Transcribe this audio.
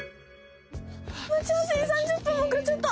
待ち合わせに３０ぷん遅れちゃった！